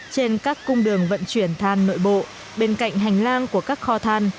trên các cung đường vận chuyển than nội bộ bên cạnh hành lang của các kho than